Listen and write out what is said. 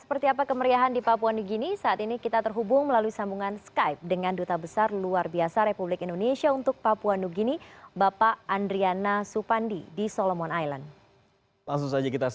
pesta rakyat mengusung hari kemerdekaan di port moresby papua nugini berlangsung khidmat